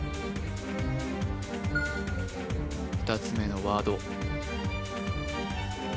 ２つ目のワード